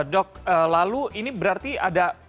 dok lalu ini berarti ada